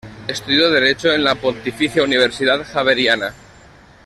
Estudió derecho en la Pontificia Universidad Javeriana.